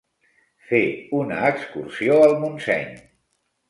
Fer una excursió al Montseny.